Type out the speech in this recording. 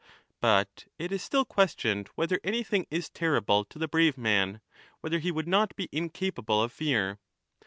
^ But it is still questioned whether anything is terrible to the brave man, whether he would not be incapable of fear.